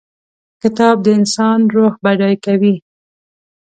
کتاب د انسان روح بډای کوي.